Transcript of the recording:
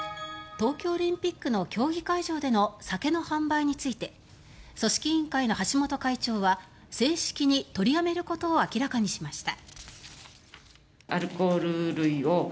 東京オリンピックの競技会場での酒の販売について組織委員会の橋本会長は正式に取りやめることを明らかにしました。